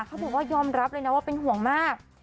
เขาบอกว่ายอมรับเลยนะว่าเป็นห่วงมาก